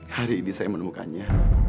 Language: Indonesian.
hari ini saya menemukannya